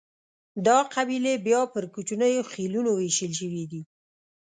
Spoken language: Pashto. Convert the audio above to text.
دا قبیلې بیا پر کوچنیو خېلونو وېشل شوې دي.